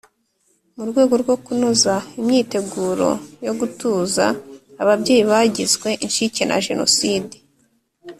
Mu rwego rwo kunoza imyiteguro yo gutuza ababyeyi bagizwe incike na Jenoside